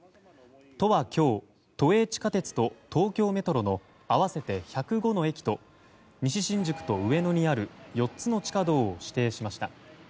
都は今日、都営地下鉄と東京メトロの合わせて１０５の駅と西新宿と上野にある４つの地下道を指定しました。